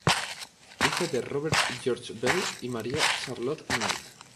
Hijo de Robert George Bell y María Charlotte Knight.